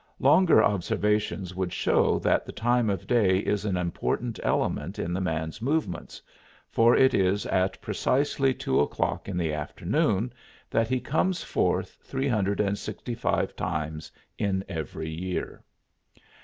Longer observations would show that the time of day is an important element in the man's movements, for it is at precisely two o'clock in the afternoon that he comes forth 365 times in every year.